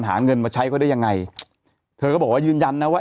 หาเงินมาใช้เขาได้ยังไงเธอก็บอกว่ายืนยันนะว่า